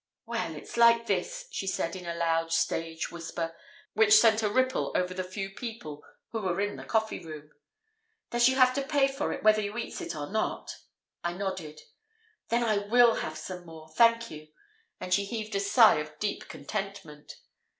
"Well, it's like this," she said, in a loud stage whisper, that sent a ripple over the few people who were in the coffee room. "Does you have to pay for it whether you eats it or not?" I nodded. "Then I will have some more, thank you," and she heaved a sigh of deep contentment.